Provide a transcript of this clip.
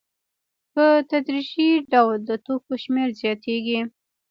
په تدریجي ډول د توکو شمېر زیاتېږي